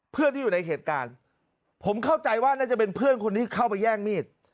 เพื่อนที่อยู่ในเหตุการณ์ผมเข้าใจว่าน่าจะเป็นเพื่อนคนนี้เข้าไปแย่งมีด